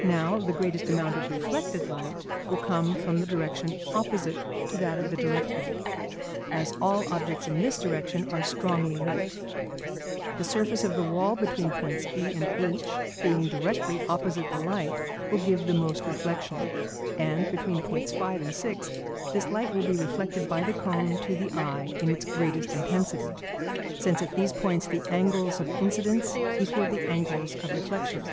Now, the greatest amount of reflected light will come from the direction opposite to that of the direct light, as all objects in this direction are strongly lit. The surface of the wall between points E and H, being directly opposite the light, will give most reflection. And between points 5 and 6 this light will be reflected by the cone to the eye in its greatest intensity, since at these points the angles of incidence equal the angles of reflection.